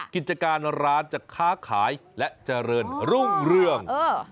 กิจการร้านจะค้าขายและเจริญรุ่งเรื่อง